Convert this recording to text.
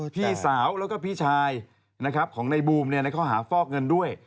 พี่สาวแล้วก็พี่ชายของในบูมเขาหาฟอกเงินด้วย